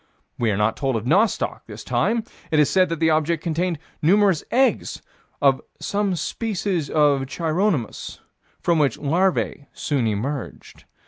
We are not told of nostoc, this time: it is said that the object contained numerous eggs of "some species of Chironomus, from which larvae soon emerged."